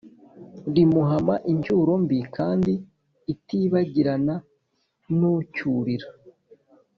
rimuhama , incyuro mbi kandi itibagirana, n ucyurira